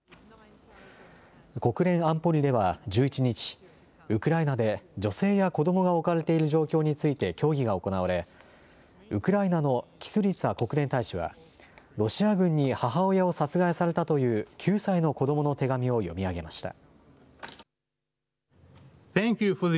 国連安保理では１１日、ウクライナで女性や子どもが置かれている状況について協議が行われウクライナのキスリツァ国連大使は、ロシア軍に母親を殺害されたという９歳の子どもの手紙を読み上げました。